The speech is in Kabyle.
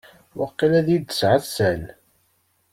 Waqil ad yi-d-ttɛassan.